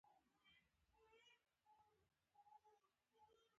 ازرې ولسوالۍ ولې لیرې ده؟